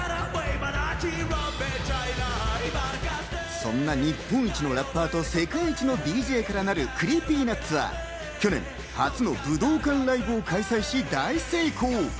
そんな日本一のラッパーと世界一のＤＪからなるＣｒｅｅｐｙＮｕｔｓは、去年、初の武道館ライブを開催し大成功。